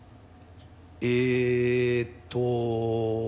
えーっと。